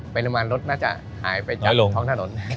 ปริมาณรถน่าจะหายไปจากท้องถนน